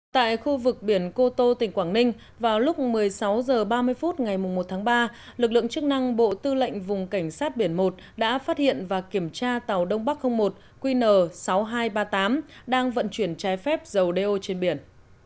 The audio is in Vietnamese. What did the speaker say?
tại khu vực biển cô tô tỉnh quảng ninh vào lúc một mươi sáu h ba mươi phút ngày một tháng ba lực lượng chức năng bộ tư lệnh vùng cảnh sát biển một đã phát hiện và kiểm tra tàu đông bắc một qn sáu nghìn hai trăm ba mươi tám đang vận chuyển trái phép dầu đeo trên biển